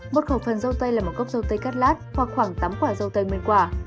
một khẩu phần rau tây là một cốc rau tây cắt lát hoặc khoảng tám quả rau tây nguyên quả